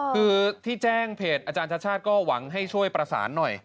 คือที่แจ้งเพจอาจารย์ชาติชาติก็หวังให้ช่วยประสานหน่อย